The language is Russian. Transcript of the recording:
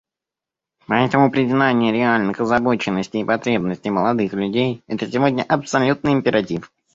Поэтому признание реальных озабоченностей и потребностей молодых людей — это сегодня абсолютный императив.